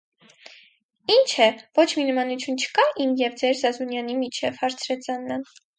- Ի՞նչ է, ոչ մի նմանություն չկա՞ իմ և ձեր Զազունյանի միջև,- հարցրեց Աննան: